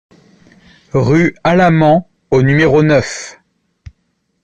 Rue Alamans au numéro neuf